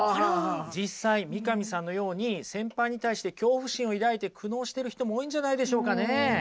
実際三上さんのように先輩に対して恐怖心を抱いて苦悩してる人も多いんじゃないでしょうかね。